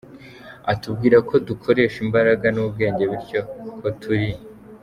Atubwira ko dukoresha imbaraga n’ubwenge bityo ko turi.